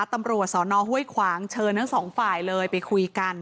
ตำรวจสอนอห้วยขวางเชิญทั้งสองฝ่ายเลยไปคุยกัน